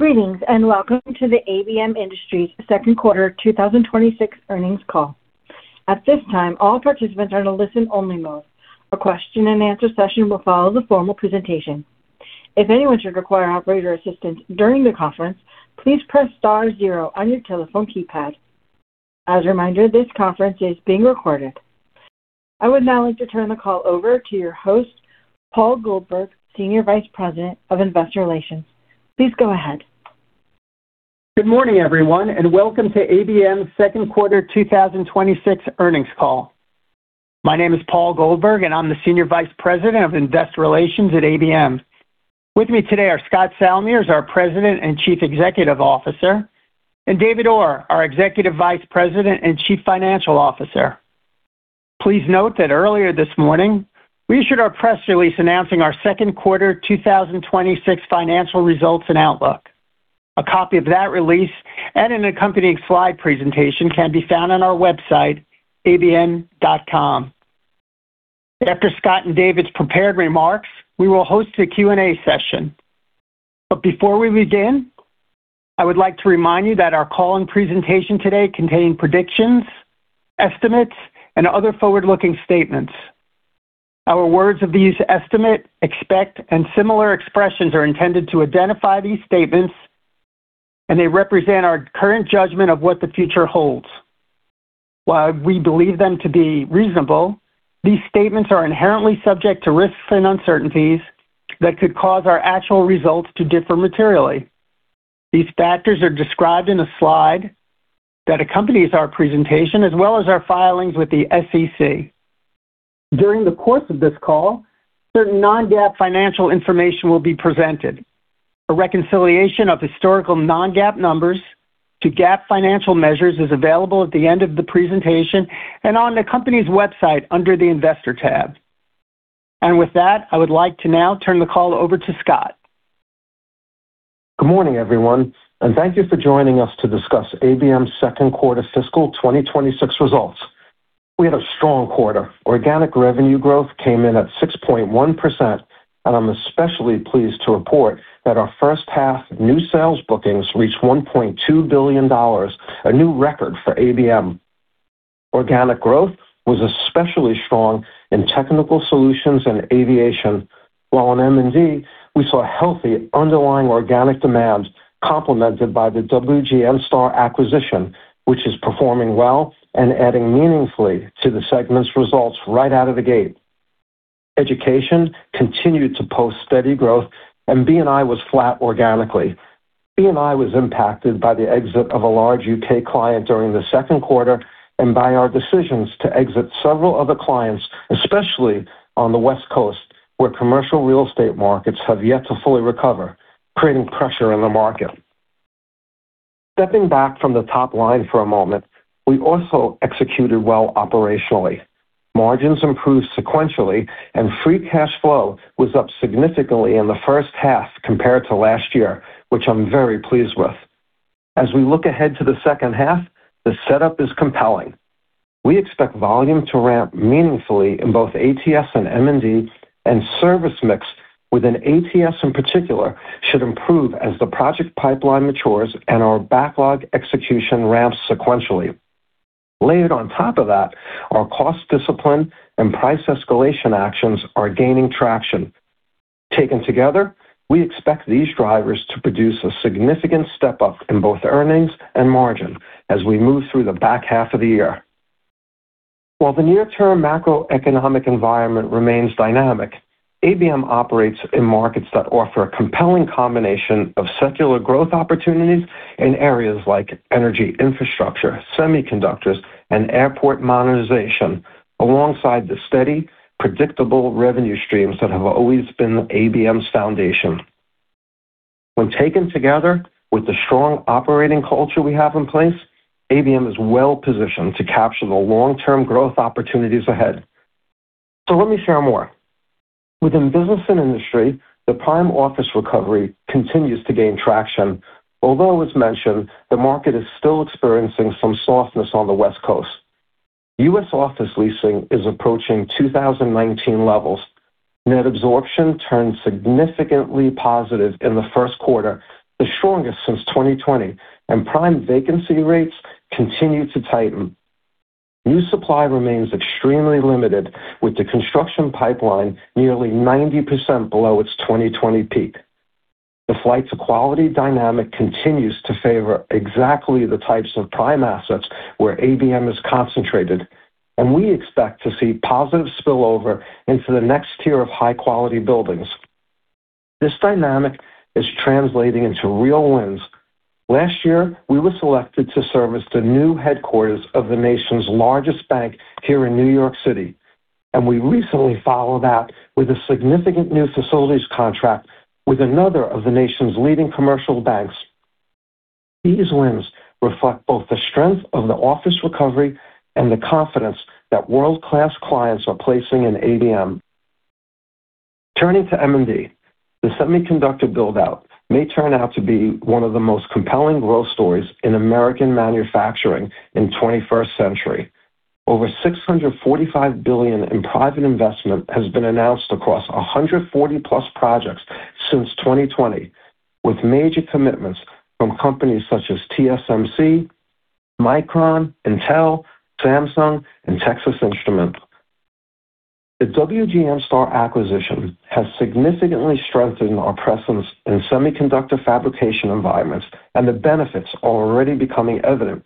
Greetings, welcome to the ABM Industries second quarter 2026 earnings call. At this time, all participants are in a listen-only mode. A question and answer session will follow the formal presentation. If anyone should require operator assistance during the conference, please press star zero on your telephone keypad. As a reminder, this conference is being recorded. I would now like to turn the call over to your host, Paul Goldberg, Senior Vice President of Investor Relations. Please go ahead. Good morning, everyone. Welcome to ABM's second quarter 2026 earnings call. My name is Paul Goldberg, and I'm the Senior Vice President of Investor Relations at ABM. With me today are Scott Salmirs, our President and Chief Executive Officer, and David Orr, our Executive Vice President and Chief Financial Officer. Please note that earlier this morning, we issued our press release announcing our second quarter 2026 financial results and outlook. A copy of that release and an accompanying slide presentation can be found on our website, abm.com. After Scott and David's prepared remarks, we will host a Q&A session. Before we begin, I would like to remind you that our call and presentation today contain predictions, estimates, and other forward-looking statements. Our words of these estimate, expect, and similar expressions are intended to identify these statements, and they represent our current judgment of what the future holds. While we believe them to be reasonable, these statements are inherently subject to risks and uncertainties that could cause our actual results to differ materially. These factors are described in a slide that accompanies our presentation, as well as our filings with the SEC. During the course of this call, certain non-GAAP financial information will be presented. A reconciliation of historical non-GAAP numbers to GAAP financial measures is available at the end of the presentation and on the company's website under the Investor tab. With that, I would like to now turn the call over to Scott. Good morning, everyone, and thank you for joining us to discuss ABM's second quarter fiscal 2026 results. We had a strong quarter. Organic revenue growth came in at 6.1%, and I'm especially pleased to report that our first half new sales bookings reached $1.2 billion, a new record for ABM. Organic growth was especially strong in Technical Solutions and Aviation, while in M&D, we saw healthy underlying organic demand complemented by the WGNSTAR acquisition, which is performing well and adding meaningfully to the segment's results right out of the gate. Education continued to post steady growth, and B&I was flat organically. B&I was impacted by the exit of a large U.K. client during the second quarter and by our decisions to exit several other clients, especially on the West Coast, where commercial real estate markets have yet to fully recover, creating pressure in the market. Stepping back from the top line for a moment, we also executed well operationally. Margins improved sequentially, and free cash flow was up significantly in the first half compared to last year, which I'm very pleased with. As we look ahead to the second half, the setup is compelling. We expect volume to ramp meaningfully in both ATS and M&D, and service mix within ATS in particular should improve as the project pipeline matures and our backlog execution ramps sequentially. Layered on top of that, our cost discipline and price escalation actions are gaining traction. Taken together, we expect these drivers to produce a significant step up in both earnings and margin as we move through the back half of the year. While the near-term macroeconomic environment remains dynamic, ABM operates in markets that offer a compelling combination of secular growth opportunities in areas like energy infrastructure, semiconductors, and airport monetization, alongside the steady, predictable revenue streams that have always been ABM's foundation. When taken together with the strong operating culture we have in place, ABM is well-positioned to capture the long-term growth opportunities ahead. Let me share more. Within Business & Industry, the prime office recovery continues to gain traction, although, as mentioned, the market is still experiencing some softness on the West Coast. U.S. office leasing is approaching 2019 levels. Net absorption turned significantly positive in the first quarter, the strongest since 2020, and prime vacancy rates continue to tighten. New supply remains extremely limited, with the construction pipeline nearly 90% below its 2020 peak. The flight to quality dynamic continues to favor exactly the types of prime assets where ABM is concentrated, and we expect to see positive spillover into the next tier of high-quality buildings. This dynamic is translating into real wins. Last year, we were selected to service the new headquarters of the nation's largest bank here in New York City, and we recently followed that with a significant new facilities contract with another of the nation's leading commercial banks. These wins reflect both the strength of the office recovery and the confidence that world-class clients are placing in ABM. Turning to M&D, the semiconductor build-out may turn out to be one of the most compelling growth stories in American manufacturing in 21st century. Over $645 billion in private investment has been announced across 140+ projects since 2020, with major commitments from companies such as TSMC, Micron, Intel, Samsung, and Texas Instruments. The WGNSTAR acquisition has significantly strengthened our presence in semiconductor fabrication environments, and the benefits are already becoming evident.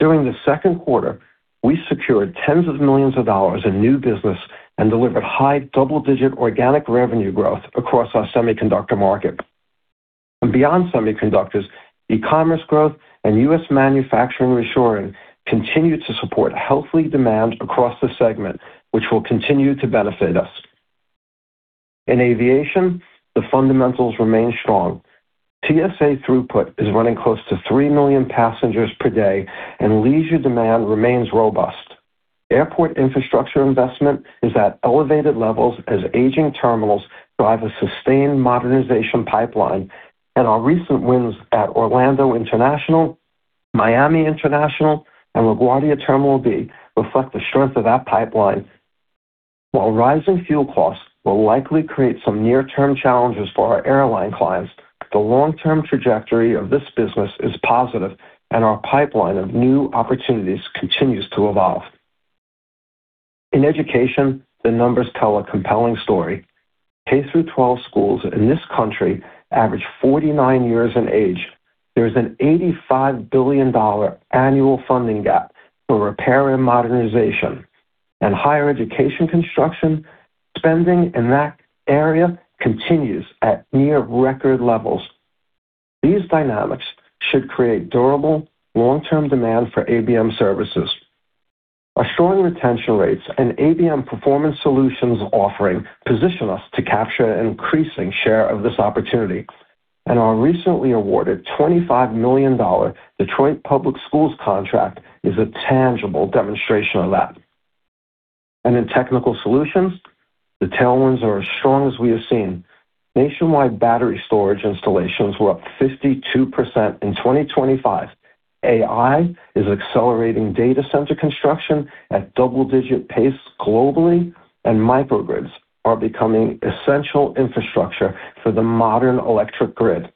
During the second quarter, we secured tens of millions of dollars in new business and delivered high double-digit organic revenue growth across our semiconductor market. Beyond semiconductors, e-commerce growth and US manufacturing reshoring continue to support healthy demand across the segment, which will continue to benefit us. In Aviation, the fundamentals remain strong. TSA throughput is running close to 3 million passengers per day, and leisure demand remains robust. Airport infrastructure investment is at elevated levels as aging terminals drive a sustained modernization pipeline, and our recent wins at Orlando International, Miami International, and LaGuardia Terminal B reflect the strength of that pipeline. While rising fuel costs will likely create some near-term challenges for our airline clients, the long-term trajectory of this business is positive, and our pipeline of new opportunities continues to evolve. In education, the numbers tell a compelling story. K-12 schools in this country average 49 years in age. There is an $85 billion annual funding gap for repair and modernization. Higher education construction spending in that area continues at near record levels. These dynamics should create durable, long-term demand for ABM services. Our strong retention rates and ABM Performance Solutions offering position us to capture an increasing share of this opportunity. Our recently awarded $25 million Detroit Public Schools contract is a tangible demonstration of that. In Technical Solutions, the tailwinds are as strong as we have seen. Nationwide battery storage installations were up 52% in 2025. AI is accelerating data center construction at double-digit pace globally, and microgrids are becoming essential infrastructure for the modern electric grid.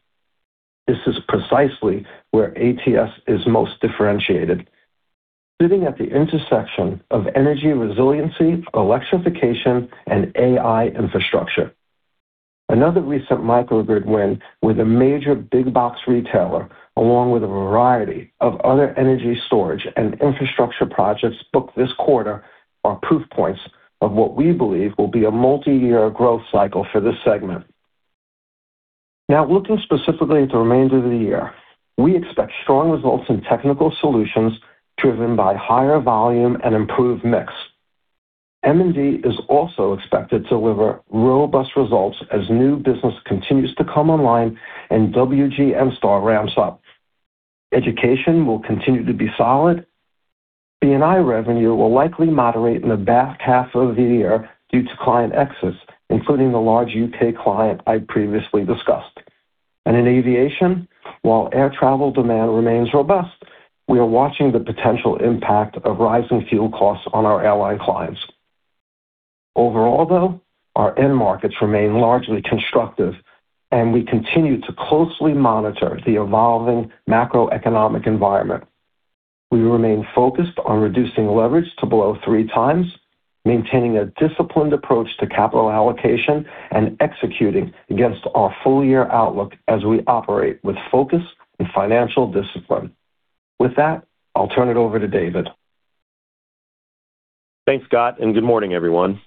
This is precisely where ATS is most differentiated, sitting at the intersection of energy resiliency, electrification, and AI infrastructure. Another recent microgrid win with a major big box retailer, along with a variety of other energy storage and infrastructure projects booked this quarter, are proof points of what we believe will be a multiyear growth cycle for this segment. Now, looking specifically at the remainder of the year. We expect strong results in Technical Solutions driven by higher volume and improved mix. M&D is also expected to deliver robust results as new business continues to come online and WGNSTAR ramps up. Education will continue to be solid. B&I revenue will likely moderate in the back half of the year due to client exits, including the large U.K. client I previously discussed. In Aviation, while air travel demand remains robust, we are watching the potential impact of rising fuel costs on our airline clients. Overall, though, our end markets remain largely constructive, and we continue to closely monitor the evolving macroeconomic environment. We remain focused on reducing leverage to below 3x, maintaining a disciplined approach to capital allocation, and executing against our full-year outlook as we operate with focus and financial discipline. With that, I'll turn it over to David. Thanks, Scott. Good morning, everyone.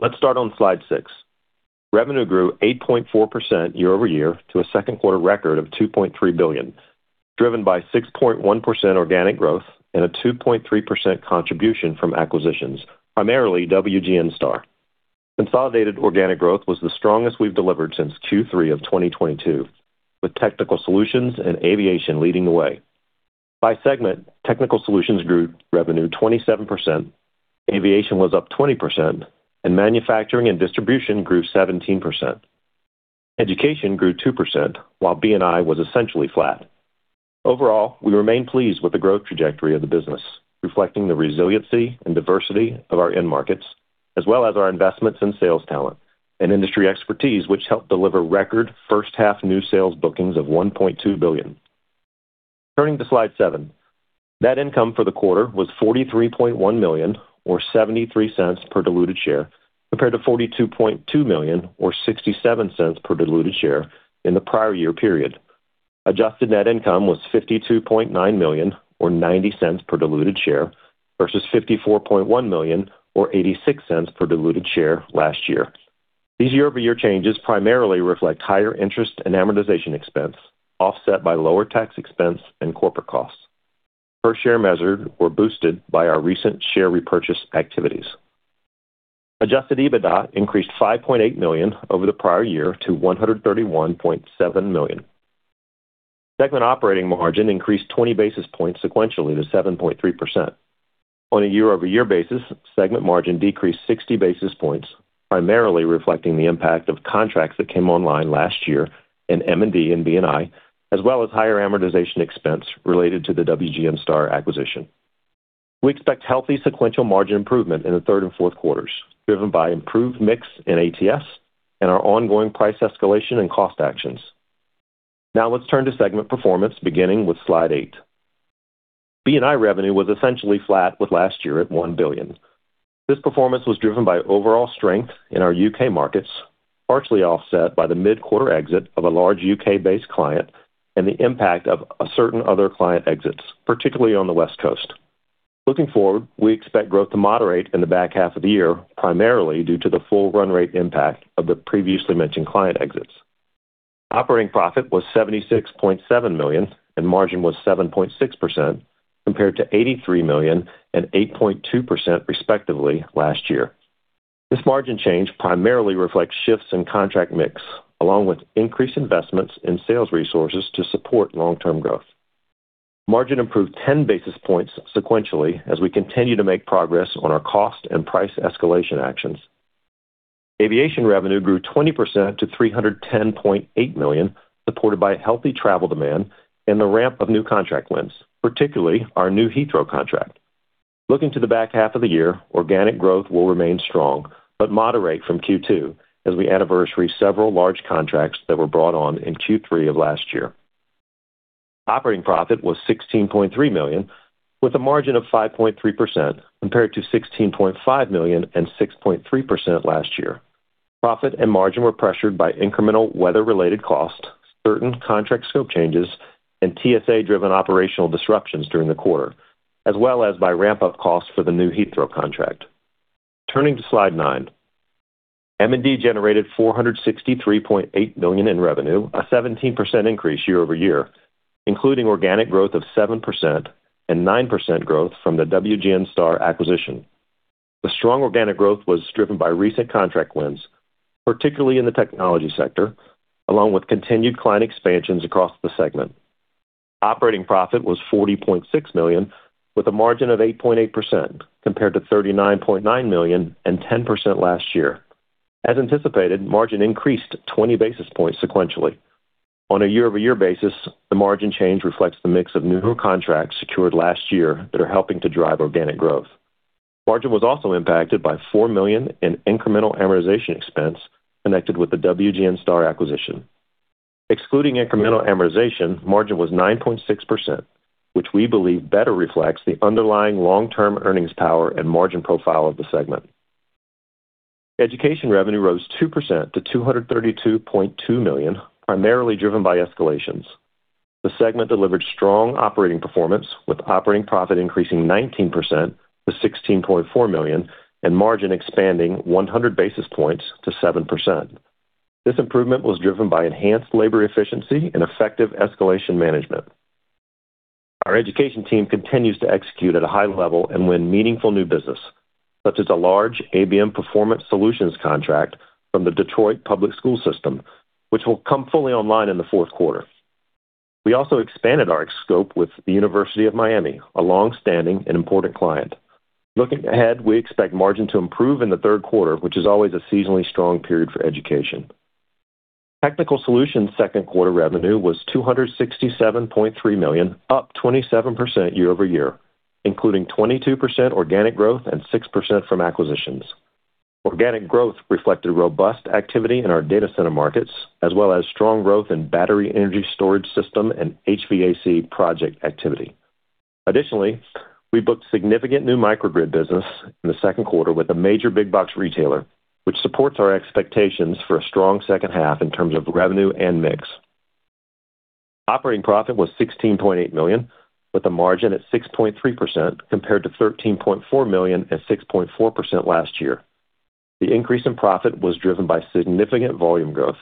Let's start on slide six. Revenue grew 8.4% year-over-year to a second quarter record of $2.3 billion, driven by 6.1% organic growth and a 2.3% contribution from acquisitions, primarily WGNSTAR. Consolidated organic growth was the strongest we've delivered since Q3 of 2022, with Technical Solutions and Aviation leading the way. By segment, Technical Solutions grew revenue 27%, Aviation was up 20%, and Manufacturing and Distribution grew 17%. Education grew 2%, while B&I was essentially flat. Overall, we remain pleased with the growth trajectory of the business, reflecting the resiliency and diversity of our end markets, as well as our investments in sales talent and industry expertise, which helped deliver record first half new sales bookings of $1.2 billion. Turning to slide seven. Net income for the quarter was $43.1 million, or $0.73 per diluted share, compared to $42.2 million or $0.67 per diluted share in the prior year period. Adjusted net income was $52.9 million or $0.90 per diluted share versus $54.1 million or $0.86 per diluted share last year. These year-over-year changes primarily reflect higher interest and amortization expense, offset by lower tax expense and corporate costs. Per share measures were boosted by our recent share repurchase activities. Adjusted EBITDA increased $5.8 million over the prior year to $131.7 million. Segment operating margin increased 20 basis points sequentially to 7.3%. On a year-over-year basis, segment margin decreased 60 basis points. Primarily reflecting the impact of contracts that came online last year in M&D and B&I, as well as higher amortization expense related to the WGNSTAR acquisition. We expect healthy sequential margin improvement in the third and fourth quarters, driven by improved mix in ATS and our ongoing price escalation and cost actions. Let's turn to segment performance, beginning with slide eight. B&I revenue was essentially flat with last year at $1 billion. This performance was driven by overall strength in our U.K. markets, partially offset by the mid-quarter exit of a large U.K.-based client and the impact of certain other client exits, particularly on the West Coast. Looking forward, we expect growth to moderate in the back half of the year, primarily due to the full run rate impact of the previously mentioned client exits. Operating profit was $76.7 million, and margin was 7.6%, compared to $83 million and 8.2%, respectively, last year. This margin change primarily reflects shifts in contract mix, along with increased investments in sales resources to support long-term growth. Margin improved 10 basis points sequentially as we continue to make progress on our cost and price escalation actions. Aviation revenue grew 20% to $310.8 million, supported by healthy travel demand and the ramp of new contract wins, particularly our new Heathrow contract. Looking to the back half of the year, organic growth will remain strong but moderate from Q2 as we anniversary several large contracts that were brought on in Q3 of last year. Operating profit was $16.3 million, with a margin of 5.3%, compared to $16.5 million and 6.3% last year. Profit and margin were pressured by incremental weather-related costs, certain contract scope changes, and TSA-driven operational disruptions during the quarter, as well as by ramp-up costs for the new Heathrow contract. Turning to slide nine. M&D generated $463.8 million in revenue, a 17% increase year-over-year, including organic growth of 7% and 9% growth from the WGNSTAR acquisition. The strong organic growth was driven by recent contract wins, particularly in the technology sector, along with continued client expansions across the segment. Operating profit was $40.6 million with a margin of 8.8%, compared to $39.9 million and 10% last year. As anticipated, margin increased 20 basis points sequentially. On a year-over-year basis, the margin change reflects the mix of newer contracts secured last year that are helping to drive organic growth. Margin was also impacted by $4 million in incremental amortization expense connected with the WGNSTAR acquisition. Excluding incremental amortization, margin was 9.6%, which we believe better reflects the underlying long-term earnings power and margin profile of the segment. Education revenue rose 2% to $232.2 million, primarily driven by escalations. The segment delivered strong operating performance, with operating profit increasing 19% to $16.4 million and margin expanding 100 basis points to 7%. This improvement was driven by enhanced labor efficiency and effective escalation management. Our Education team continues to execute at a high level and win meaningful new business, such as a large ABM Performance Solutions contract from the Detroit Public School System, which will come fully online in the fourth quarter. We also expanded our scope with the University of Miami, a long-standing and important client. Looking ahead, we expect margin to improve in the third quarter, which is always a seasonally strong period for Education. Technical Solutions second quarter revenue was $267.3 million, up 27% year-over-year, including 22% organic growth and 6% from acquisitions. Organic growth reflected robust activity in our data center markets, as well as strong growth in battery energy storage system and HVAC project activity. Additionally, we booked significant new microgrid business in the second quarter with a major big box retailer, which supports our expectations for a strong second half in terms of revenue and mix. Operating profit was $16.8 million, with a margin at 6.3%, compared to $13.4 million and 6.4% last year. The increase in profit was driven by significant volume growth.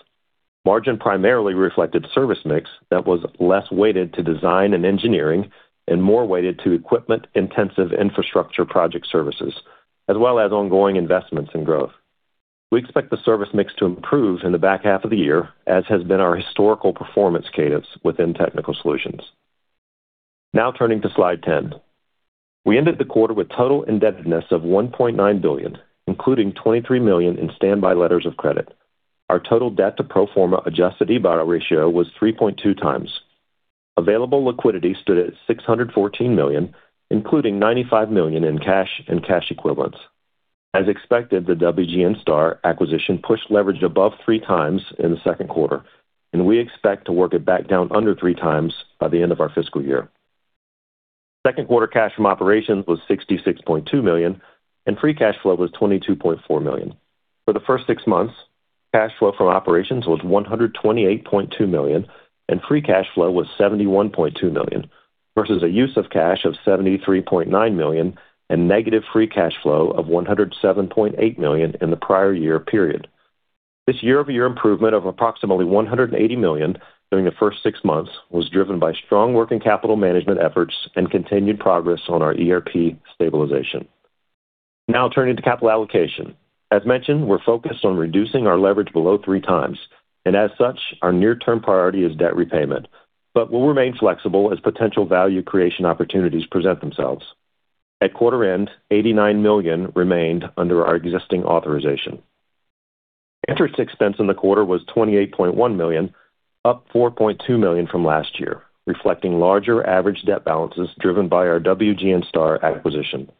Margin primarily reflected service mix that was less weighted to design and engineering and more weighted to equipment-intensive infrastructure project services, as well as ongoing investments in growth. We expect the service mix to improve in the back half of the year, as has been our historical performance cadence within Technical Solutions. Turning to slide 10. We ended the quarter with total indebtedness of $1.9 billion, including $23 million in standby letters of credit. Our total debt to pro forma adjusted EBITDA ratio was 3.2x. Available liquidity stood at $614 million, including $95 million in cash and cash equivalents. As expected, the WGNSTAR acquisition pushed leverage above 3x in the second quarter, and we expect to work it back down under 3x by the end of our fiscal year. Second quarter cash from operations was $66.2 million, and free cash flow was $22.4 million. For the first six months, cash flow from operations was $128.2 million and free cash flow was $71.2 million, versus a use of cash of $73.9 million and negative free cash flow of $107.8 million in the prior year period. This year-over-year improvement of approximately $180 million during the first six months was driven by strong working capital management efforts and continued progress on our ERP stabilization. Turning to capital allocation. As mentioned, we're focused on reducing our leverage below 3x. As such, our near-term priority is debt repayment, but we'll remain flexible as potential value creation opportunities present themselves. At quarter end, $89 million remained under our existing authorization. Interest expense in the quarter was $28.1 million, up $4.2 million from last year, reflecting larger average debt balances driven by our WGNSTAR acquisition.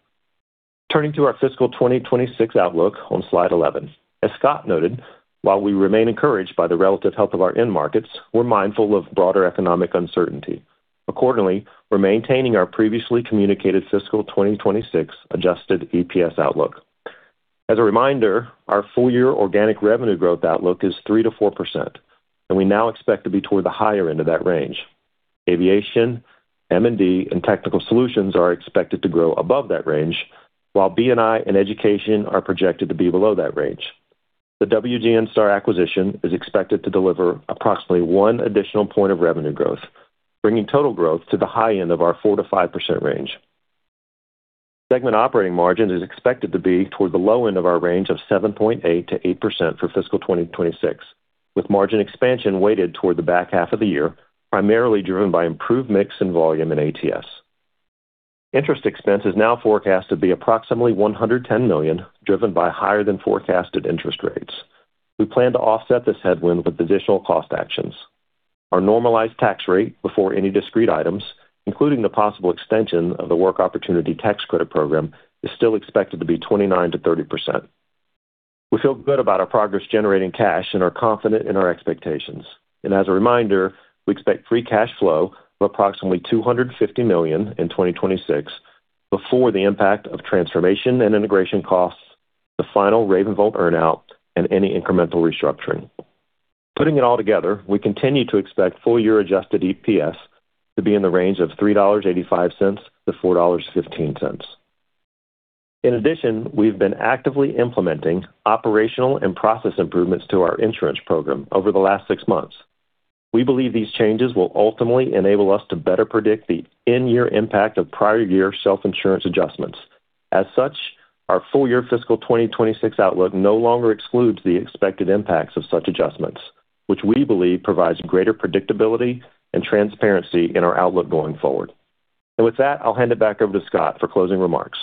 Turning to our fiscal 2026 outlook on slide 11. As Scott noted, while we remain encouraged by the relative health of our end markets, we're mindful of broader economic uncertainty. Accordingly, we're maintaining our previously communicated fiscal 2026 adjusted EPS outlook. As a reminder, our full-year organic revenue growth outlook is 3%-4%, and we now expect to be toward the higher end of that range. Aviation, M&D, and Technical Solutions are expected to grow above that range, while B&I and Education are projected to be below that range. The WGNSTAR acquisition is expected to deliver approximately one additional point of revenue growth, bringing total growth to the high end of our 4%-5% range. Segment operating margin is expected to be toward the low end of our range of 7.8%-8% for fiscal 2026, with margin expansion weighted toward the back half of the year, primarily driven by improved mix and volume in ATS. Interest expense is now forecasted to be approximately $110 million, driven by higher than forecasted interest rates. We plan to offset this headwind with additional cost actions. Our normalized tax rate before any discrete items, including the possible extension of the Work Opportunity Tax Credit program, is still expected to be 29%-30%. We feel good about our progress generating cash and are confident in our expectations. As a reminder, we expect free cash flow of approximately $250 million in 2026 before the impact of transformation and integration costs, the final RavenVolt earn-out, and any incremental restructuring. Putting it all together, we continue to expect full-year adjusted EPS to be in the range of $3.85-$4.15. In addition, we've been actively implementing operational and process improvements to our insurance program over the last six months. We believe these changes will ultimately enable us to better predict the in-year impact of prior year self-insurance adjustments. As such, our full-year fiscal 2026 outlook no longer excludes the expected impacts of such adjustments, which we believe provides greater predictability and transparency in our outlook going forward. With that, I'll hand it back over to Scott for closing remarks.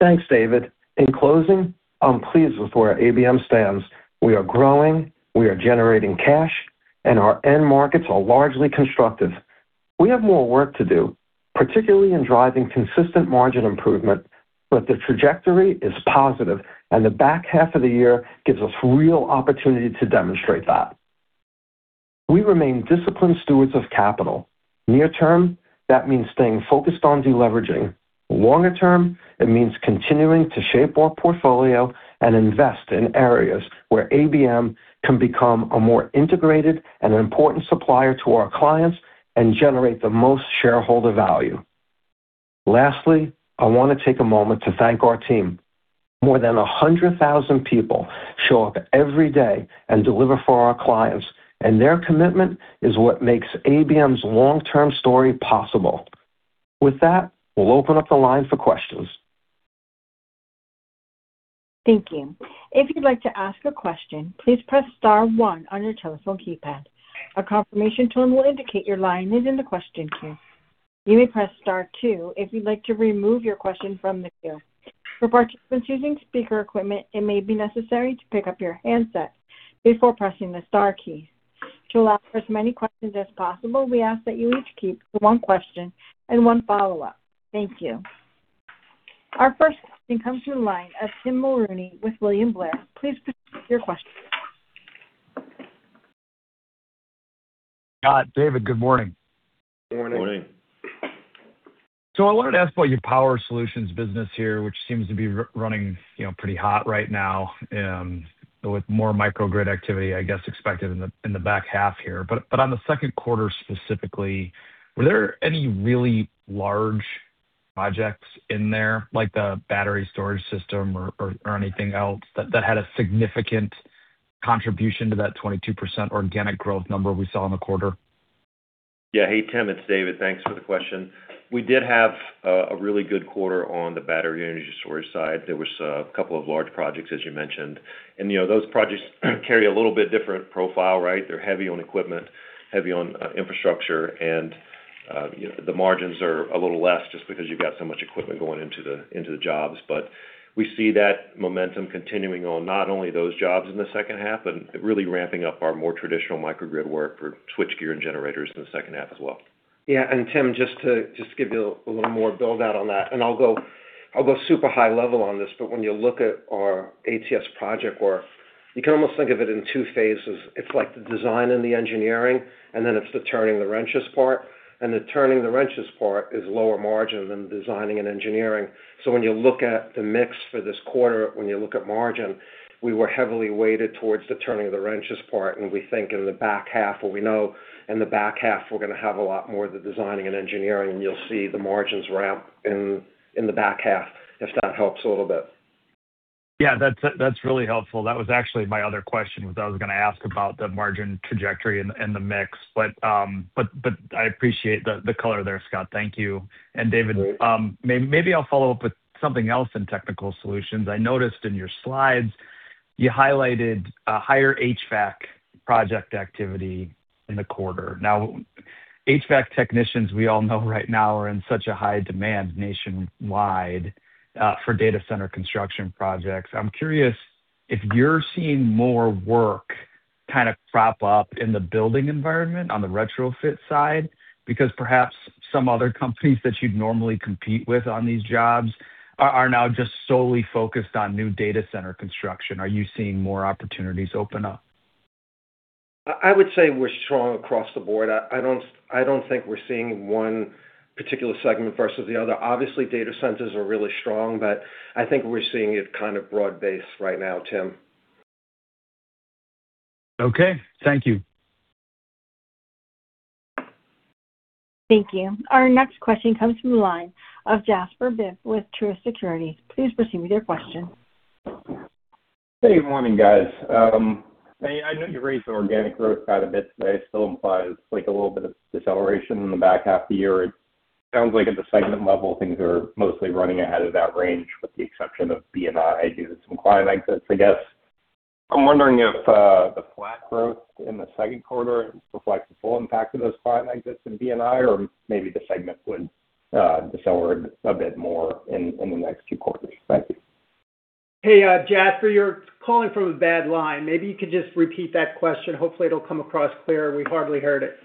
Thanks, David. In closing, I'm pleased with where ABM stands. We are growing, we are generating cash, and our end markets are largely constructive. We have more work to do, particularly in driving consistent margin improvement, but the trajectory is positive and the back half of the year gives us real opportunity to demonstrate that. We remain disciplined stewards of capital. Near term, that means staying focused on deleveraging. Longer term, it means continuing to shape our portfolio and invest in areas where ABM can become a more integrated and an important supplier to our clients and generate the most shareholder value. Lastly, I want to take a moment to thank our team. More than 100,000 people show up every day and deliver for our clients, and their commitment is what makes ABM's long-term story possible. With that, we'll open up the line for questions. Thank you. If you'd like to ask a question, please press star one on your telephone keypad. A confirmation tone will indicate your line is in the question queue. You may press star two if you'd like to remove your question from the queue. For participants using speaker equipment, it may be necessary to pick up your handset before pressing the star key. To allow for as many questions as possible, we ask that you each keep to one question and one follow-up. Thank you. Our first question comes from the line of Tim Mulrooney with William Blair. Please proceed with your question. Scott, David, good morning. Good morning. I wanted to ask about your Power Solutions business here, which seems to be running pretty hot right now, with more microgrid activity, I guess, expected in the back half here. On the second quarter specifically, were there any really large projects in there, like the battery storage system or anything else that had a significant contribution to that 22% organic growth number we saw in the quarter? Yeah. Hey, Tim, it's David. Thanks for the question. We did have a really good quarter on the battery energy storage side. There was a couple of large projects, as you mentioned. Those projects carry a little bit different profile, right? They're heavy on equipment, heavy on infrastructure, and the margins are a little less just because you've got so much equipment going into the jobs. We see that momentum continuing on not only those jobs in the second half, but really ramping up our more traditional microgrid work for switchgear and generators in the second half as well. Yeah. Tim, just to give you a little more build out on that, I'll go super high level on this, but when you look at our ATS project work, you can almost think of it in two phases. It's like the design and the engineering, and then it's the turning the wrenches part. The turning the wrenches part is lower margin than designing and engineering. When you look at the mix for this quarter, when you look at margin, we were heavily weighted towards the turning of the wrenches part, we think in the back half, or we know in the back half, we're going to have a lot more of the designing and engineering, you'll see the margins ramp in the back half, if that helps a little bit. Yeah, that's really helpful. That was actually my other question, was I was going to ask about the margin trajectory and the mix. I appreciate the color there, Scott. Thank you. David, maybe I'll follow up with something else in Technical Solutions. I noticed in your slides. You highlighted a higher HVAC project activity in the quarter. Now, HVAC technicians, we all know right now are in such a high demand nationwide for data center construction projects. I'm curious if you're seeing more work kind of prop up in the building environment on the retrofit side, because perhaps some other companies that you'd normally compete with on these jobs are now just solely focused on new data center construction. Are you seeing more opportunities open up? I would say we're strong across the board. I don't think we're seeing one particular segment versus the other. Obviously, data centers are really strong, but I think we're seeing it kind of broad-based right now, Tim. Okay. Thank you. Thank you. Our next question comes from the line of Jasper Bibb with Truist Securities. Please proceed with your question. Good morning, guys. I know you raised the organic growth guide a bit today. It still implies like a little bit of deceleration in the back half of the year. It sounds like at the segment level, things are mostly running ahead of that range with the exception of B&I due to some client exits. I guess, I'm wondering if the flat growth in the second quarter reflects the full impact of those client exits in B&I or maybe the segment would decelerate a bit more in the next two quarters. Thank you. Hey, Jasper, you're calling from a bad line. Maybe you could just repeat that question. Hopefully, it'll come across clearer. We hardly heard it.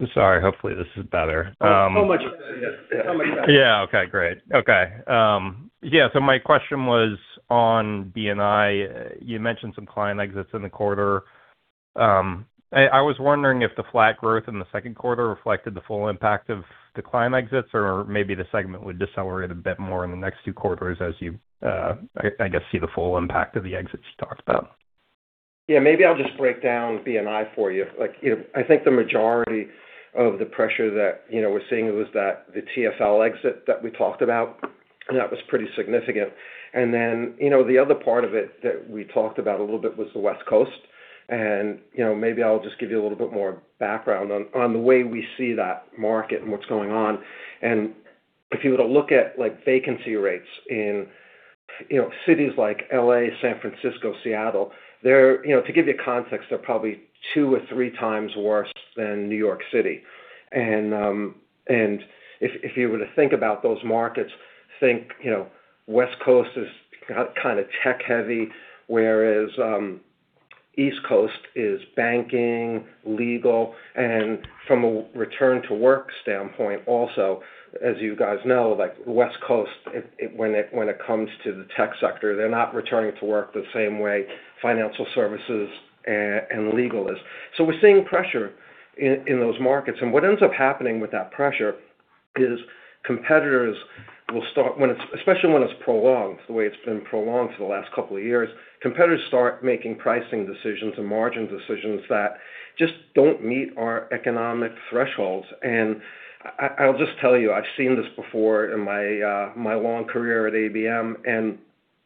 I'm sorry. Hopefully, this is better. Much better, yes. Okay, great. Okay. My question was on B&I. You mentioned some client exits in the quarter. I was wondering if the flat growth in the second quarter reflected the full impact of the client exits, or maybe the segment would decelerate a bit more in the next two quarters as you, I guess, see the full impact of the exits you talked about. Maybe I'll just break down B&I for you. I think the majority of the pressure that we're seeing was that the TfL exit that we talked about, and that was pretty significant. The other part of it that we talked about a little bit was the West Coast. Maybe I'll just give you a little bit more background on the way we see that market and what's going on. If you were to look at vacancy rates in cities like L.A., San Francisco, Seattle, to give you context, they're probably two or three times worse than New York City. If you were to think about those markets, think West Coast is kind of tech-heavy, whereas East Coast is banking, legal, and from a return-to-work standpoint, also, as you guys know, West Coast, when it comes to the tech sector, they're not returning to work the same way financial services and legal is. We're seeing pressure in those markets, and what ends up happening with that pressure is competitors will start, especially when it's prolonged the way it's been prolonged for the last couple of years, competitors start making pricing decisions and margin decisions that just don't meet our economic thresholds. I'll just tell you, I've seen this before in my long career at ABM, and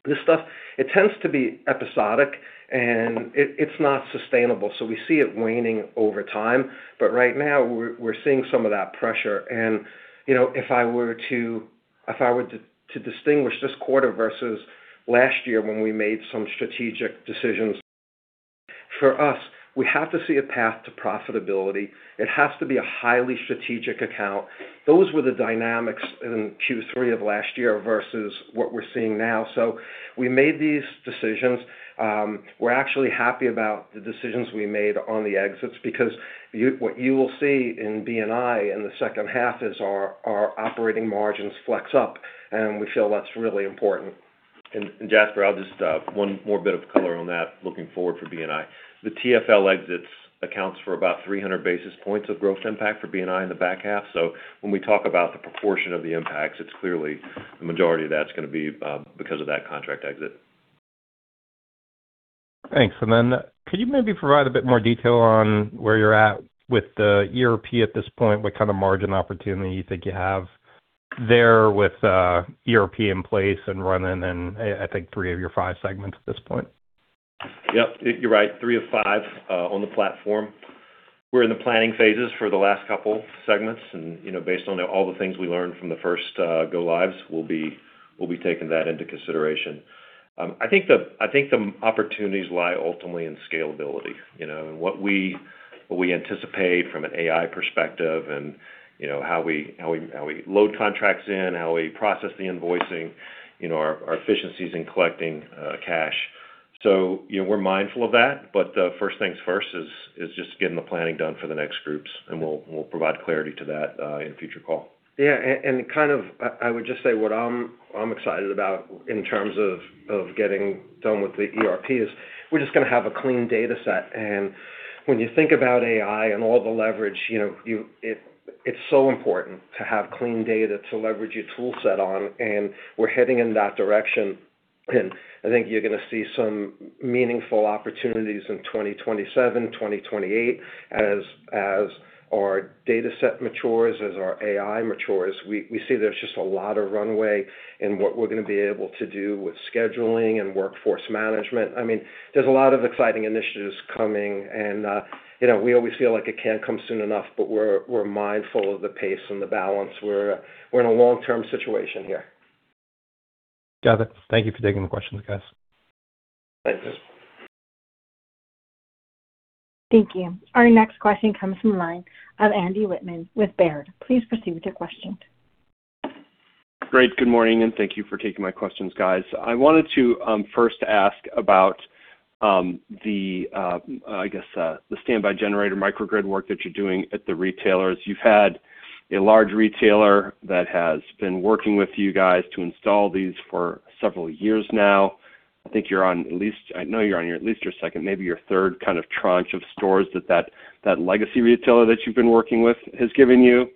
this stuff, it tends to be episodic, and it's not sustainable, so we see it waning over time. Right now, we're seeing some of that pressure. If I were to distinguish this quarter versus last year when we made some strategic decisions. For us, we have to see a path to profitability. It has to be a highly strategic account. Those were the dynamics in Q3 of last year versus what we're seeing now. We made these decisions. We're actually happy about the decisions we made on the exits because what you will see in B&I in the second half is our operating margins flex up, and we feel that's really important. Jasper, I'll just one more bit of color on that looking forward for B&I. The TfL exits accounts for about 300 basis points of growth impact for B&I in the back half. When we talk about the proportion of the impacts, it's clearly the majority of that's going to be because of that contract exit. Thanks. Then could you maybe provide a bit more detail on where you're at with the ERP at this point, what kind of margin opportunity you think you have there with ERP in place and running in, I think, three of your five segments at this point? Yep, you're right. three of five on the platform. We're in the planning phases for the last couple segments, and based on all the things we learned from the first go lives, we'll be taking that into consideration. I think the opportunities lie ultimately in scalability, and what we anticipate from an AI perspective and how we load contracts in, how we process the invoicing, our efficiencies in collecting cash. We're mindful of that, but first things first is just getting the planning done for the next groups, and we'll provide clarity to that in a future call. Yeah, kind of, I would just say what I'm excited about in terms of getting done with the ERP is we're just going to have a clean data set. When you think about AI and all the leverage, it's so important to have clean data to leverage your tool set on, and we're heading in that direction. I think you're going to see some meaningful opportunities in 2027, 2028 as our data set matures, as our AI matures. We see there's just a lot of runway in what we're going to be able to do with scheduling and workforce management. There's a lot of exciting initiatives coming, and we always feel like it can't come soon enough, but we're mindful of the pace and the balance. We're in a long-term situation here. Got it. Thank you for taking the questions, guys. Thanks. Thank you. Our next question comes from the line of Andy Wittmann with Baird. Please proceed with your question. Great. Good morning, and thank you for taking my questions, guys. I wanted to first ask about the standby generator microgrid work that you're doing at the retailers. You've had a large retailer that has been working with you guys to install these for several years now. I know you're on at least your second, maybe your third kind of tranche of stores that legacy retailer that you've been working with has given you.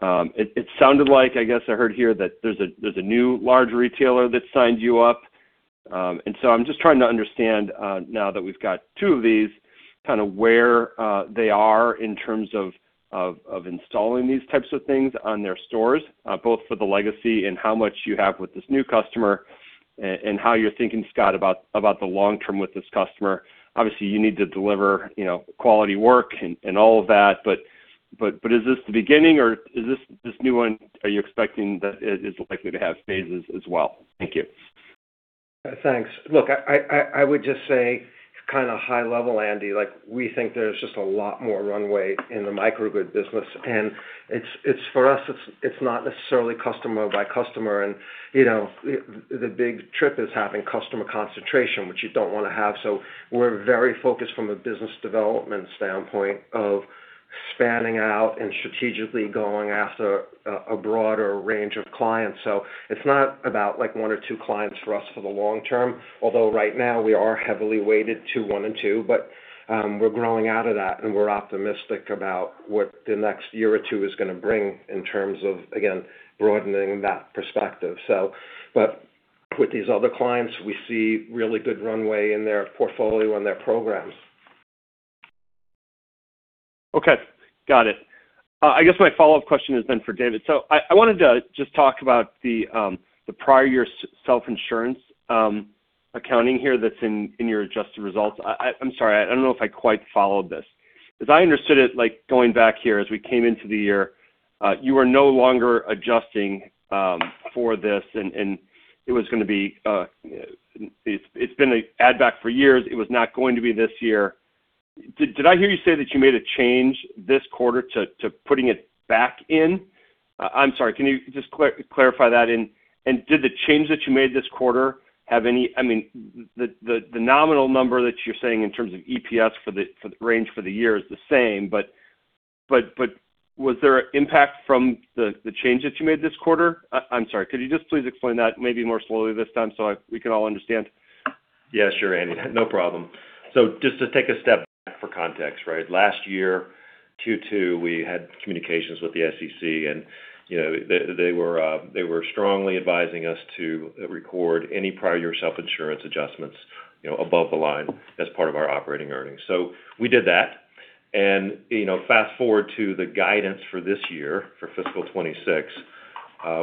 It sounded like, I guess I heard here that there's a new large retailer that signed you up. I'm just trying to understand, now that we've got two of these, kind of where they are in terms of installing these types of things on their stores, both for the legacy and how much you have with this new customer, and how you're thinking, Scott, about the long term with this customer. Obviously, you need to deliver quality work and all of that, but is this the beginning or this new one, are you expecting that it is likely to have phases as well? Thank you. Thanks. Look, I would just say kind of high level, Andy, we think there's just a lot more runway in the microgrid business. For us, it's not necessarily customer by customer and the big trap is having customer concentration, which you don't want to have. We're very focused from a business development standpoint of spanning out and strategically going after a broader range of clients. It's not about one or two clients for us for the long term, although right now we are heavily weighted to one and two, but we're growing out of that and we're optimistic about what the next year or two is going to bring in terms of, again, broadening that perspective. With these other clients, we see really good runway in their portfolio and their programs. Okay. Got it. My follow-up question is for David. I wanted to just talk about the prior year self-insurance accounting here that's in your adjusted results. I'm sorry, I don't know if I quite followed this. As I understood it, going back here as we came into the year, you were no longer adjusting for this, and it's been an add back for years. It was not going to be this year. Did I hear you say that you made a change this quarter to putting it back in? I'm sorry, can you just clarify that, and did the change that you made this quarter have the nominal number that you're saying in terms of EPS for the range for the year is the same, but was there an impact from the change that you made this quarter? I'm sorry, could you just please explain that maybe more slowly this time so we can all understand? Yeah, sure, Andy. No problem. Just to take a step back for context, right? Last year, Q2, we had communications with the SEC and they were strongly advising us to record any prior year self-insurance adjustments above the line as part of our operating earnings. We did that. Fast-forward to the guidance for this year, for fiscal 2026.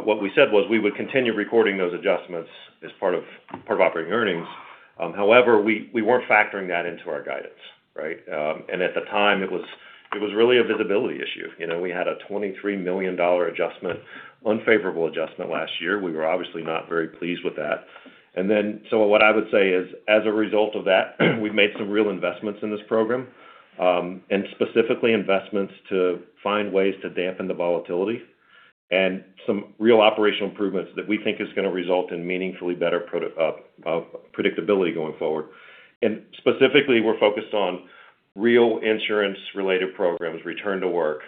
What we said was we would continue recording those adjustments as part of operating earnings. However, we weren't factoring that into our guidance, right? At the time, it was really a visibility issue. We had a $23 million unfavorable adjustment last year. We were obviously not very pleased with that. What I would say is, as a result of that, we've made some real investments in this program, and specifically investments to find ways to dampen the volatility and some real operational improvements that we think is going to result in meaningfully better predictability going forward. Specifically, we're focused on real insurance-related programs, return to work,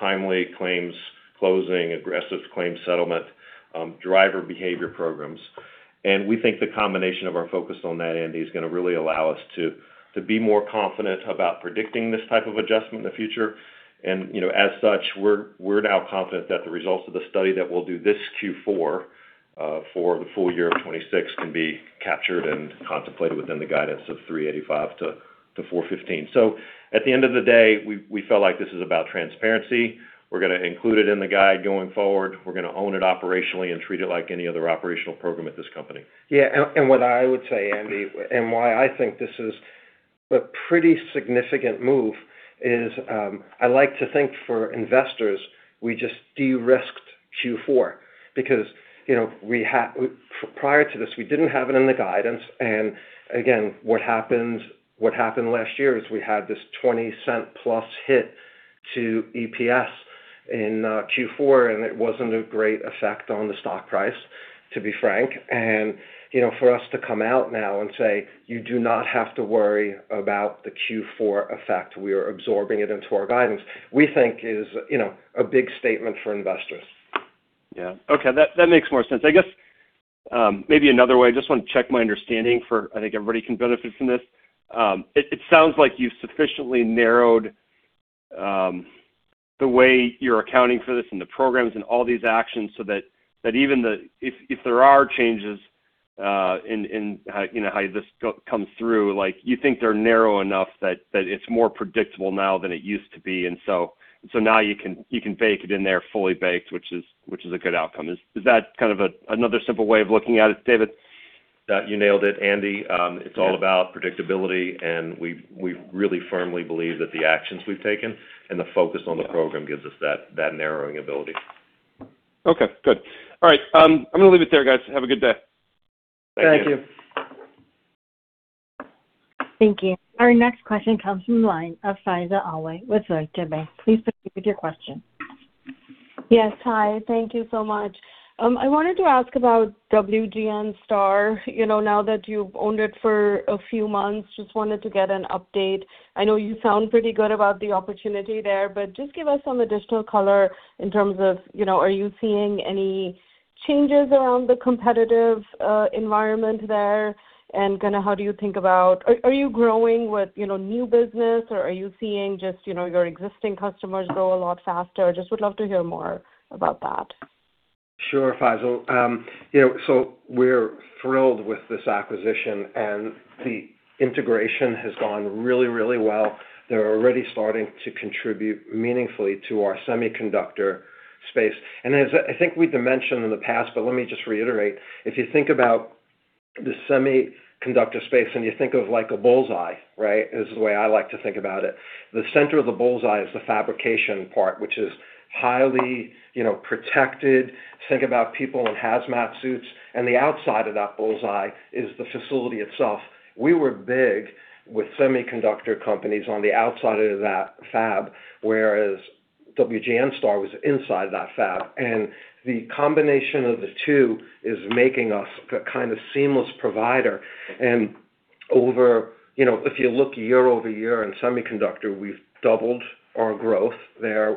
timely claims closing, aggressive claim settlement, driver behavior programs. We think the combination of our focus on that, Andy, is going to really allow us to be more confident about predicting this type of adjustment in the future. As such, we're now confident that the results of the study that we'll do this Q4 for the full year of 2026 can be captured and contemplated within the guidance of $3.85-$4.15. At the end of the day, we felt like this is about transparency. We're going to include it in the guide going forward. We're going to own it operationally and treat it like any other operational program at this company. Yeah. What I would say, Andy, and why I think this is a pretty significant move is, I like to think for investors, we just de-risked Q4 because prior to this, we didn't have it in the guidance. Again, what happened last year is we had this $0.20+ hit to EPS in Q4, and it wasn't a great effect on the stock price, to be frank. For us to come out now and say, "You do not have to worry about the Q4 effect. We are absorbing it into our guidance," we think is a big statement for investors. Yeah. Okay. That makes more sense. I guess maybe another way, I just want to check my understanding for, I think everybody can benefit from this. It sounds like you've sufficiently narrowed the way you're accounting for this and the programs and all these actions so that even if there are changes in how this comes through, you think they're narrow enough that it's more predictable now than it used to be. Now you can bake it in there fully baked, which is a good outcome. Is that kind of another simple way of looking at it, David? You nailed it, Andy. It's all about predictability. We really firmly believe that the actions we've taken and the focus on the program gives us that narrowing ability. Okay, good. All right. I'm going to leave it there, guys. Have a good day. Thank you. Thank you. Our next question comes from the line of Faiza Alwy with Deutsche Bank. Please proceed with your question. Yes, hi. Thank you so much. I wanted to ask about WGNSTAR. Now that you've owned it for a few months, just wanted to get an update. I know you sound pretty good about the opportunity there, but just give us some additional color in terms of, are you seeing any changes around the competitive environment there. Are you growing with new business, or are you seeing just your existing customers grow a lot faster? Just would love to hear more about that. Sure, Faiza. We're thrilled with this acquisition, and the integration has gone really, really well. They're already starting to contribute meaningfully to our semiconductor space. As I think we'd mentioned in the past, but let me just reiterate. If you think about the semiconductor space and you think of like a bullseye, right, is the way I like to think about it. The center of the bullseye is the fabrication part, which is highly protected. Think about people in hazmat suits, and the outside of that bullseye is the facility itself. We were big with semiconductor companies on the outside of that fab, whereas WGNSTAR was inside that fab, and the combination of the two is making us a kind of seamless provider. If you look year-over-year in semiconductor, we've doubled our growth there.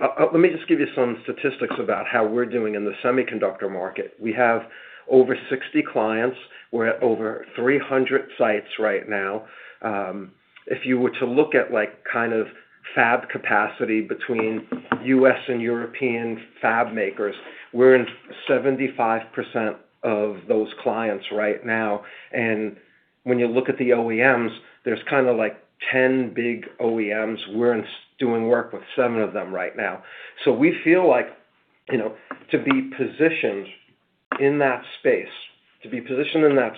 Let me just give you some statistics about how we're doing in the semiconductor market. We have over 60 clients. We're at over 300 sites right now. If you were to look at fab capacity between U.S. and European fab makers, we're in 75% of those clients right now. When you look at the OEMs, there's kind of like 10 big OEMs. We're doing work with seven of them right now. We feel like to be positioned in that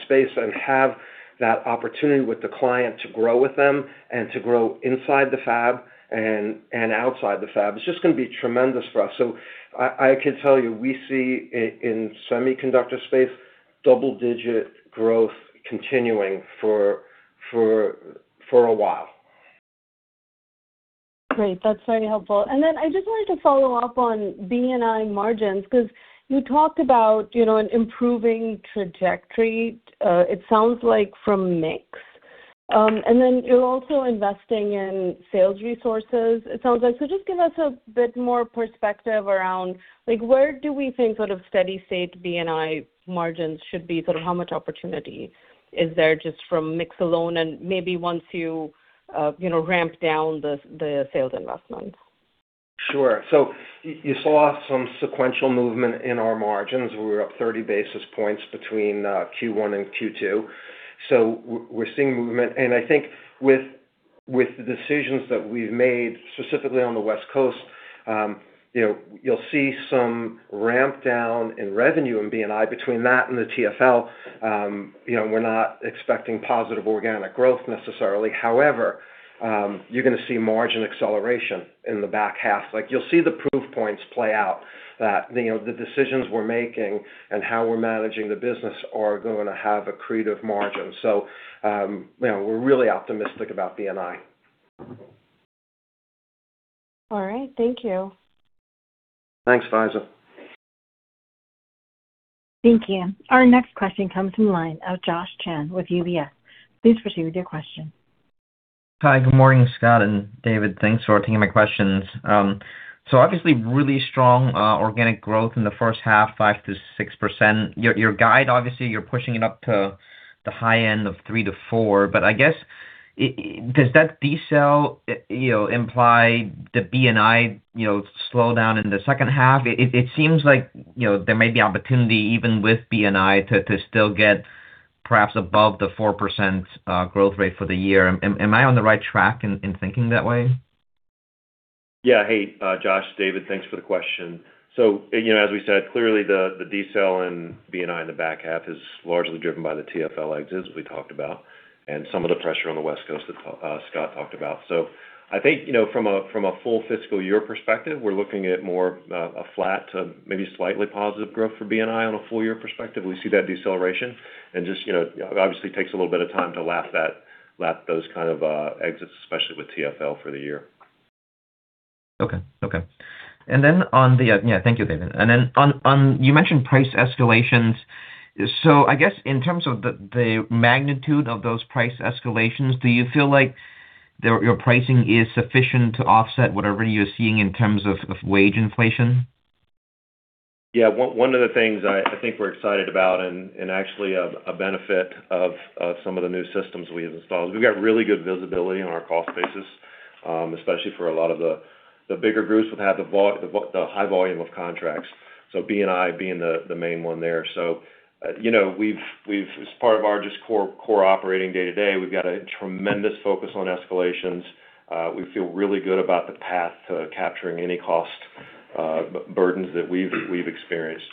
space and have that opportunity with the client to grow with them and to grow inside the fab and outside the fab, it's just going to be tremendous for us. I can tell you, we see in semiconductor space, double-digit growth continuing for a while. Great. That's very helpful. I just wanted to follow up on B&I margins, because you talked about an improving trajectory, it sounds like from mix. You're also investing in sales resources, it sounds like. Just give us a bit more perspective around like, where do we think sort of steady state B&I margins should be? Sort of how much opportunity is there just from mix alone and maybe once you ramp down the sales investment? Sure. You saw some sequential movement in our margins. We were up 30 basis points between Q1 and Q2. We're seeing movement. I think with the decisions that we've made, specifically on the West Coast, you'll see some ramp down in revenue in B&I. Between that and the TfL, we're not expecting positive organic growth necessarily. However, you're going to see margin acceleration in the back half. You'll see the proof points play out that the decisions we're making and how we're managing the business are going to have accretive margin. We're really optimistic about B&I. All right. Thank you. Thanks, Faiza. Thank you. Our next question comes from the line of Josh Chan with UBS. Please proceed with your question. Hi, good morning, Scott and David. Thanks for taking my questions. Obviously really strong organic growth in the first half, 5%-6%. Your guide, obviously, you're pushing it up to the high end of 3%-4%, I guess, does that decel imply the B&I slowdown in the second half? It seems like there may be opportunity even with B&I to still get perhaps above the 4% growth rate for the year. Am I on the right track in thinking that way? Yeah. Hey, Josh, David, thanks for the question. As we said, clearly the decel in B&I in the back half is largely driven by the TfL exits we talked about and some of the pressure on the West Coast that Scott talked about. I think from a full fiscal year perspective, we're looking at more a flat to maybe slightly positive growth for B&I on a full year perspective. We see that deceleration and just obviously takes a little bit of time to lap those kind of exits, especially with TfL for the year. Okay. Thank you, David. You mentioned price escalations. I guess in terms of the magnitude of those price escalations, do you feel like your pricing is sufficient to offset whatever you're seeing in terms of wage inflation? One of the things I think we're excited about and actually a benefit of some of the new systems we have installed is we've got really good visibility on our cost basis, especially for a lot of the bigger groups that have the high volume of contracts, so B&I being the main one there. As part of our just core operating day to day, we've got a tremendous focus on escalations. We feel really good about the path to capturing any cost burdens that we've experienced,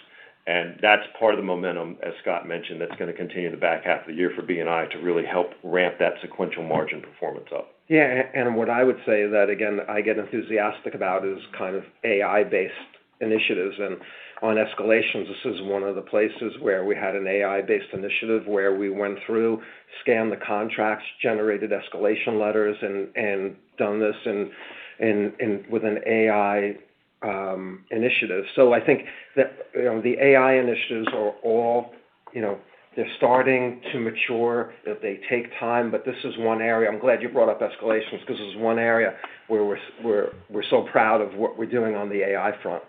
and that's part of the momentum, as Scott mentioned, that's going to continue in the back half of the year for B&I to really help ramp that sequential margin performance up. Yeah. What I would say that, again, I get enthusiastic about is kind of AI-based initiatives, and on escalations, this is one of the places where we had an AI-based initiative where we went through, scanned the contracts, generated escalation letters, and done this with an AI initiative. I think that the AI initiatives are starting to mature, that they take time, but this is one area. I'm glad you brought up escalations because this is one area where we're so proud of what we're doing on the AI front.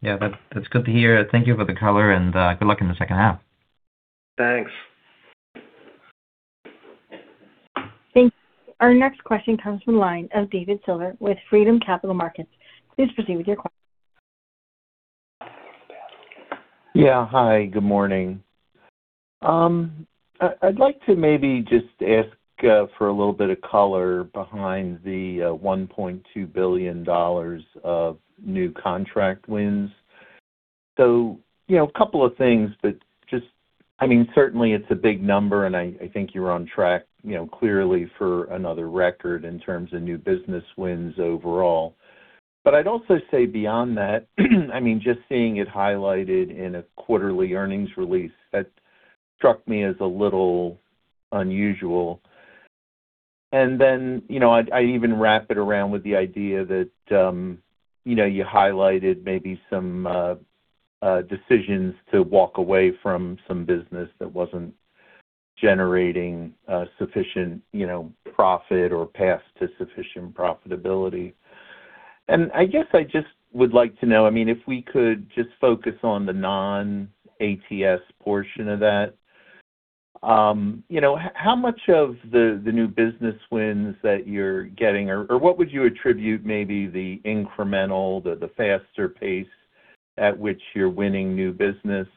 Yeah. That's good to hear. Thank you for the color and good luck in the second half. Thanks. Thank you. Our next question comes from the line of David Silver with Freedom Capital Markets. Please proceed with your question. Yeah. Hi, good morning. I'd like to maybe just ask for a little bit of color behind the $1.2 billion of new contract wins. A couple of things. Certainly, it's a big number, and I think you're on track, clearly for another record in terms of new business wins overall. I'd also say beyond that, just seeing it highlighted in a quarterly earnings release, that struck me as a little unusual. I even wrap it around with the idea that you highlighted maybe some decisions to walk away from some business that wasn't generating sufficient profit or path to sufficient profitability. I guess I just would like to know, if we could just focus on the non-ATS portion of that, how much of the new business wins that you're getting, or what would you attribute maybe the incremental, the faster pace at which you're winning new business?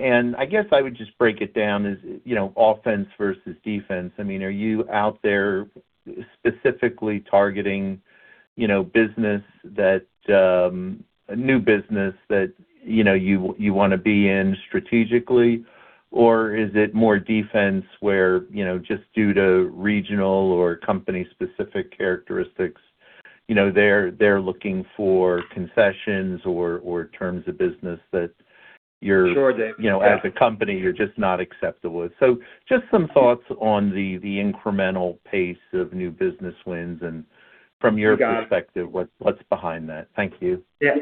I guess I would just break it down as offense versus defense. Are you out there specifically targeting new business that you want to be in strategically? Or is it more defense where, just due to regional or company specific characteristics, they're looking for concessions or terms of business? As a company, you're just not acceptable with. Just some thoughts on the incremental pace of new business wins and from your perspective. What's behind that? Thank you. Yeah.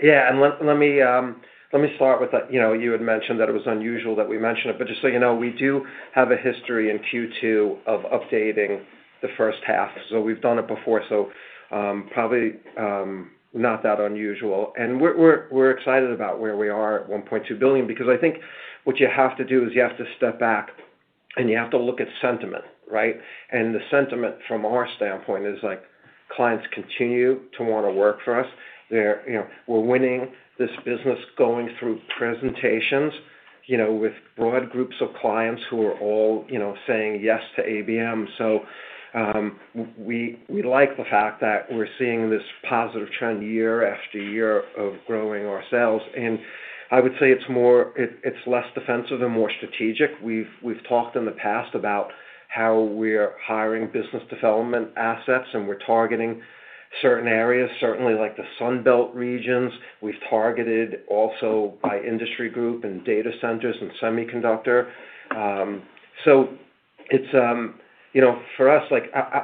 Let me start with that. You had mentioned that it was unusual that we mention it, but just so you know, we do have a history in Q2 of updating the first half. We've done it before, so probably not that unusual. We're excited about where we are at $1.2 billion because I think what you have to do is you have to step back and you have to look at sentiment, right? The sentiment from our standpoint is clients continue to want to work for us. We're winning this business going through presentations, with broad groups of clients who are all saying yes to ABM. We like the fact that we're seeing this positive trend year after year of growing our sales. I would say it's less defensive and more strategic. We've talked in the past about how we're hiring business development assets, and we're targeting certain areas, certainly like the Sun Belt regions. We've targeted also by industry group and data centers and semiconductor. For us,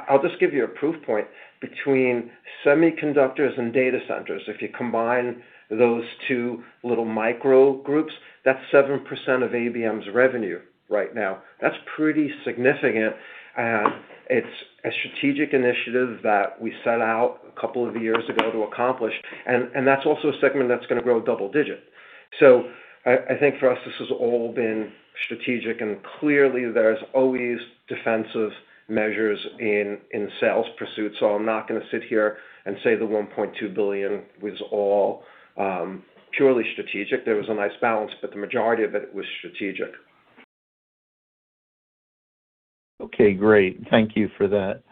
I'll just give you a proof point between semiconductors and data centers. If you combine those two little micro groups, that's 7% of ABM's revenue right now. That's pretty significant. It's a strategic initiative that we set out a couple of years ago to accomplish. That's also a segment that's going to grow double digit. I think for us, this has all been strategic, and clearly, there's always defensive measures in sales pursuits, so I'm not going to sit here and say the $1.2 billion was all purely strategic. There was a nice balance, but the majority of it was strategic. Okay, great. Thank you for that.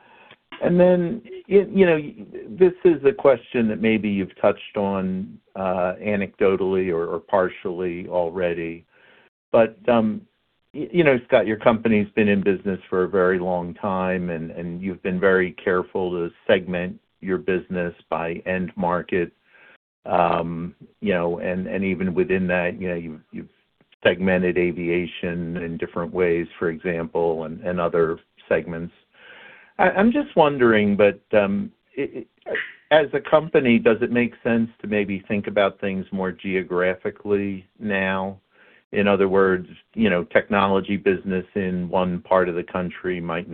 This is a question that maybe you've touched on anecdotally or partially already. Scott, your company's been in business for a very long time, and you've been very careful to segment your business by end market. Even within that, you've segmented Aviation in different ways, for example, and other segments. I'm just wondering, as a company, does it make sense to maybe think about things more geographically now? In other words, technology business in one part of the country might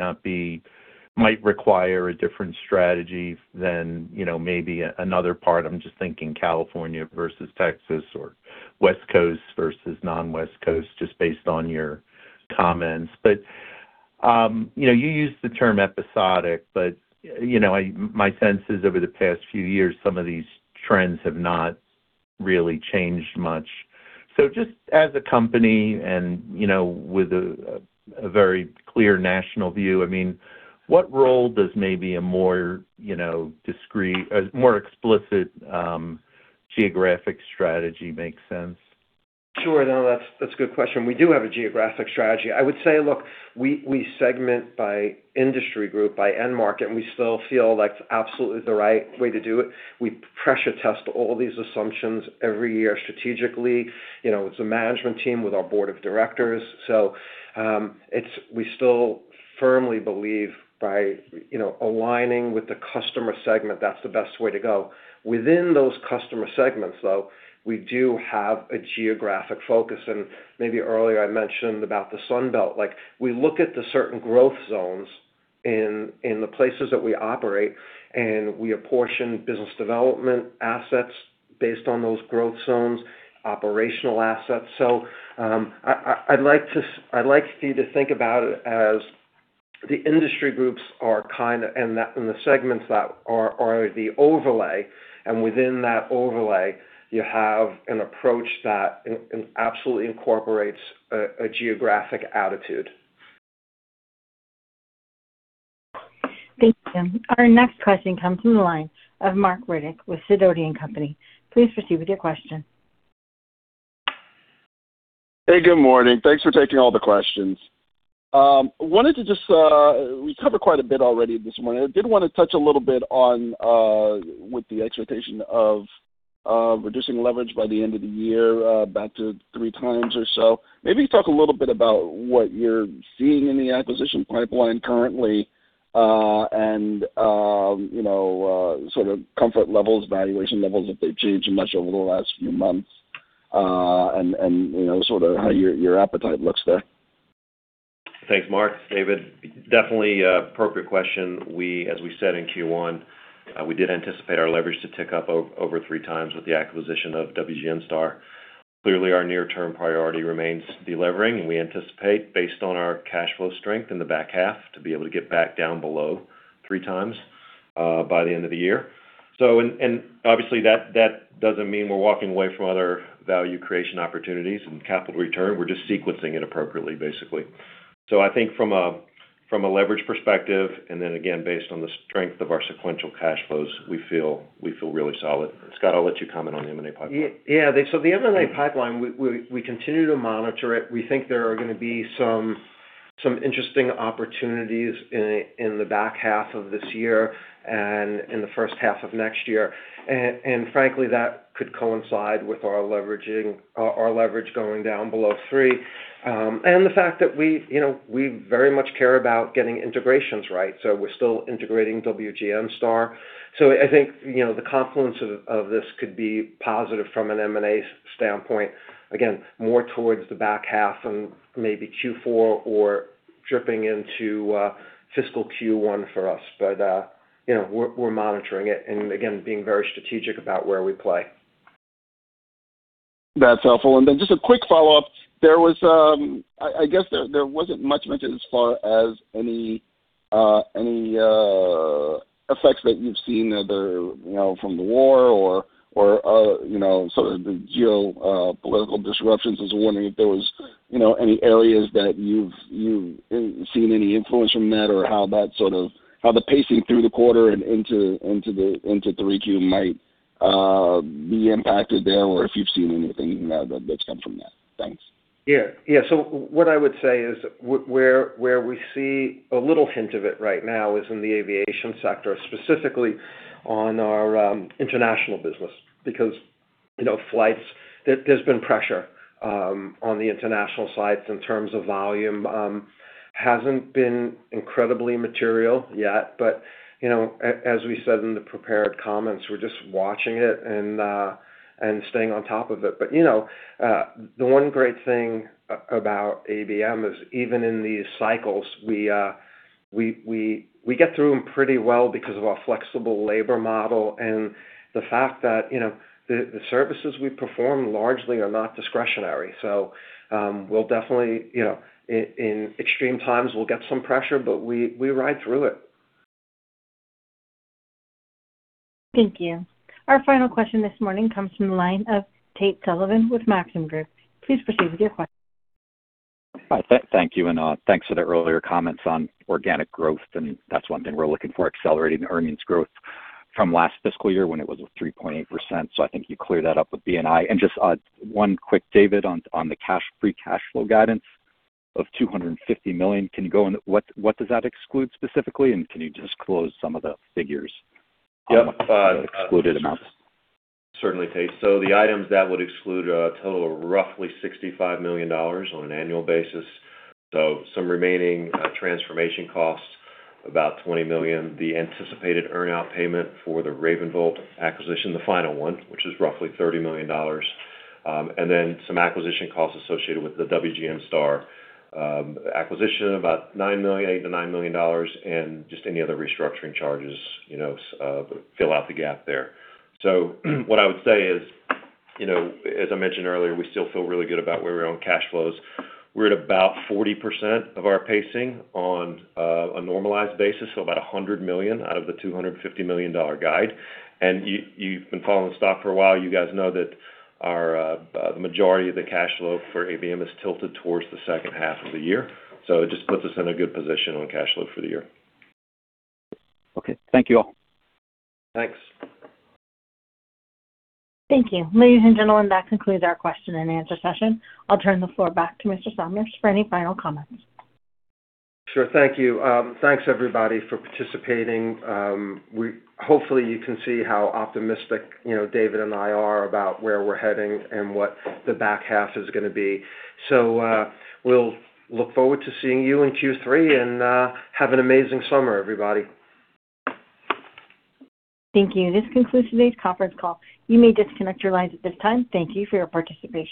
require a different strategy than maybe another part. I'm just thinking California versus Texas or West Coast versus non-West Coast, just based on your comments. You used the term episodic, but my sense is over the past few years, some of these trends have not really changed much. Just as a company and with a very clear national view, what role does maybe a more explicit geographic strategy make sense? Sure, no, that's a good question. We do have a geographic strategy. I would say, look, we segment by industry group, by end market, and we still feel that's absolutely the right way to do it. We pressure test all these assumptions every year strategically. It's a management team with our board of directors. We still firmly believe by aligning with the customer segment, that's the best way to go. Within those customer segments, though, we do have a geographic focus, and maybe earlier I mentioned about the Sun Belt. We look at the certain growth zones in the places that we operate, and we apportion business development assets based on those growth zones, operational assets. I'd like for you to think about it as the industry groups are kind of and the segments that are the overlay, and within that overlay, you have an approach that absolutely incorporates a geographic attitude. Thank you. Our next question comes from the line of Marc Riddick with Sidoti & Company. Please proceed with your question. Hey, good morning. Thanks for taking all the questions. We covered quite a bit already this morning. I did want to touch a little bit on with the expectation of reducing leverage by the end of the year back to 3x or so. Maybe talk a little bit about what you're seeing in the acquisition pipeline currently and sort of comfort levels, valuation levels, if they've changed much over the last few months, and sort of how your appetite looks there. Thanks, Marc. David. Definitely appropriate question. As we said in Q1, we did anticipate our leverage to tick up over 3x with the acquisition of WGNSTAR. Clearly, our near-term priority remains delevering, and we anticipate, based on our cash flow strength in the back half, to be able to get back down below 3x by the end of the year. Obviously that doesn't mean we're walking away from other value creation opportunities and capital return. We're just sequencing it appropriately, basically. I think from a leverage perspective, and then again, based on the strength of our sequential cash flows, we feel really solid. Scott, I'll let you comment on the M&A pipeline. The M&A pipeline, we continue to monitor it. We think there are going to be some interesting opportunities in the back half of this year and in the first half of next year. Frankly, that could coincide with our leverage going down below 3x. The fact that we very much care about getting integrations right, so we're still integrating WGNSTAR. I think the confluence of this could be positive from an M&A standpoint. Again, more towards the back half and maybe Q4 or dripping into fiscal Q1 for us. We're monitoring it and again, being very strategic about where we play. That's helpful. Just a quick follow-up. I guess there wasn't much mentioned as far as any effects that you've seen either from the war or sort of the geopolitical disruptions. I was wondering if there was any areas that you've seen any influence from that or how the pacing through the quarter and into 3Q might be impacted there or if you've seen anything that's come from that. Thanks. What I would say is where we see a little hint of it right now is in the Aviation sector, specifically on our international business. There's been pressure on the international sites in terms of volume. Hasn't been incredibly material yet, but as we said in the prepared comments, we're just watching it and staying on top of it. The one great thing about ABM is even in these cycles, we get through them pretty well because of our flexible labor model and the fact that the services we perform largely are not discretionary. We'll definitely, in extreme times, we'll get some pressure, but we ride through it. Thank you. Our final question this morning comes from the line of Tate Sullivan with Maxim Group. Please proceed with your question. Thank you, and thanks for the earlier comments on organic growth. That's one thing we're looking for, accelerating earnings growth from last fiscal year when it was at 3.8%. I think you cleared that up with B&I. Just one quick, David, on the free cash flow guidance of $250 million. What does that exclude specifically, and can you disclose some of the figures? Of the excluded amounts? Certainly, Tate. The items that would exclude a total of roughly $65 million on an annual basis. Some remaining transformation costs, about $20 million. The anticipated earnout payment for the RavenVolt acquisition, the final one, which is roughly $30 million. Then some acquisition costs associated with the WGNSTAR acquisition, about $8 million-$9 million. Just any other restructuring charges fill out the gap there. What I would say is, as I mentioned earlier, we still feel really good about where we are on cash flows. We're at about 40% of our pacing on a normalized basis, so about $100 million out of the $250 million guide. You've been following the stock for a while. You guys know that the majority of the cash flow for ABM is tilted towards the second half of the year. It just puts us in a good position on cash flow for the year. Okay. Thank you all. Thanks. Thank you. Ladies and gentlemen, that concludes our question and answer session. I'll turn the floor back to Mr. Salmirs for any final comments. Sure. Thank you. Thanks everybody for participating. Hopefully, you can see how optimistic David and I are about where we're heading and what the back half is going to be. We'll look forward to seeing you in Q3, and have an amazing summer, everybody. Thank you. This concludes today's conference call. You may disconnect your lines at this time. Thank you for your participation.